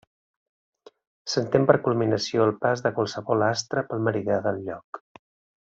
S'entén per culminació el pas de qualsevol astre pel meridià del lloc.